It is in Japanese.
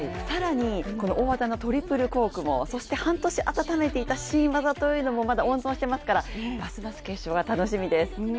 更に大技のトリプルコーク、そして半年練習していた新技というのもまだ温存していますからますます決勝が楽しみです。